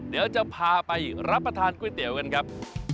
เดี๋ยวจะพาไปรับประทานก๋วยเตี๋ยวกันครับ